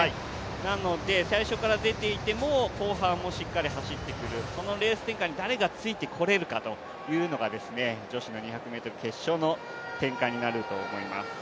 なので、最初から出ていても、後半しっかり走ってくる、そのレース展開に誰がついてこれるかというのが女子の２００ｍ決勝の展開になると思います。